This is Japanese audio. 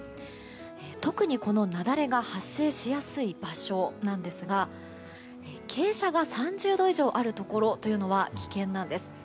特に雪崩が発生しやすい場所なんですが傾斜が３０度以上あるところというのは危険なんです。